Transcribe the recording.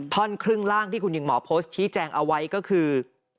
ท่อนครึ่งล่างที่คุณหญิงหมอโพสต์ชี้แจงเอาไว้ก็คือ